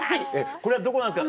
「これはどこなんですか？」